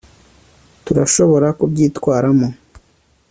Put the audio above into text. turashobora kubyitwaramo